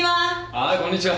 はいこんにちは。